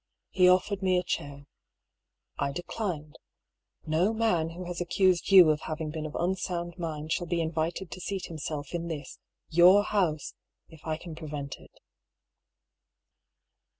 He offered me a chair. I declined. No man who has accused you of having been of unsound mind shall be invited to seat himself in this, your, house if I can prevent it.